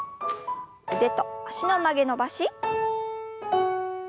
腕と脚の曲げ伸ばし。